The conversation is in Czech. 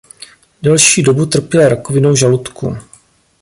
Delší dobu trpěl rakovinou žaludku.